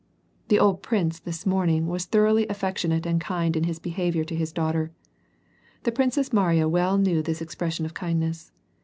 Tlie old prince this morning was thoroughly affection \ ate and kind in his behavior to his daughter. The Princess j Mariya well knew this expression of kindness.